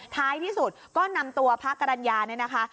ท้ายที่สุดก็นำตัวพระกรรณญาเนี่ยนะคะ